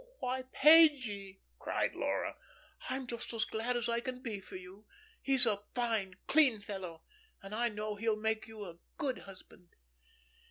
"Why, Pagie," cried Laura, "I'm just as glad as I can be for you. He's a fine, clean fellow, and I know he will make you a good husband."